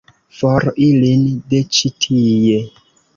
For ilin de ĉi tie!